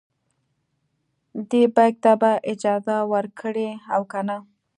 دې بیک ته به اجازه ورکړي او کنه.